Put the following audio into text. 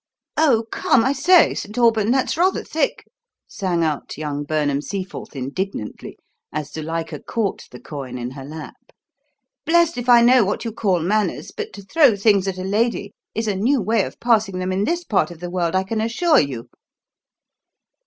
"Oh, come, I say, St. Aubyn, that's rather thick!" sang out young Burnham Seaforth indignantly, as Zuilika caught the coin in her lap. "Blest if I know what you call manners, but to throw things at a lady is a new way of passing them in this part of the world, I can assure you."